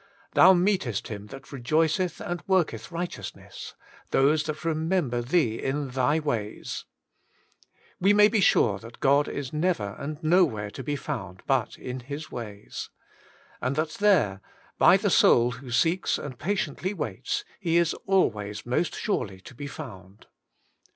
*Thou meetest him that rejoiceth and worketh righteousness ; those that remember Thee in Thy ways* We may be sure that God is never and nowhere to be found but in His ways. And that there, by the soul who seeks and patiently waits, He is always most surely to be found.